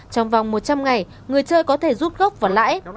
trong vòng một trăm linh ngày người chơi có thể rút gốc và lãi